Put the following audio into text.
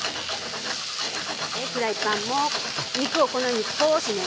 フライパンも肉をこのように少しね。